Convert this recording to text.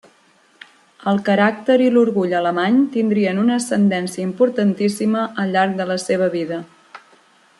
El caràcter i l'orgull alemany tindrien una ascendència importantíssima al llarg de la seva vida.